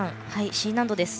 Ｃ難度です。